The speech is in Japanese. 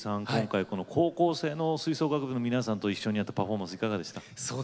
今回高校生の吹奏楽部の皆さんと一緒にやったパフォーマンスいかがでした？